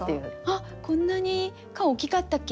「あっこんなに顔大きかったっけ？」とか。